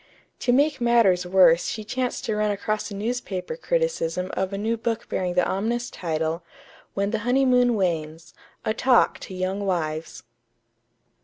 To make matters worse she chanced to run across a newspaper criticism of a new book bearing the ominous title: "When the Honeymoon Wanes A Talk to Young Wives."